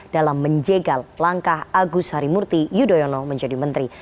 dalam menjegal langkah agus harimurti yudhoyono menjadi menteri